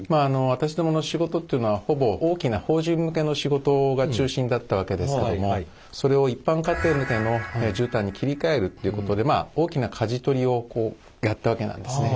私どもの仕事っていうのはほぼ大きな法人向けの仕事が中心だったわけですけどもそれを一般家庭向けの絨毯に切り替えるっていうことでまあ大きなかじ取りをやったわけなんですね。